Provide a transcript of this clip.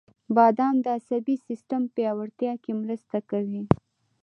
• بادام د عصبي سیستم پیاوړتیا کې مرسته کوي.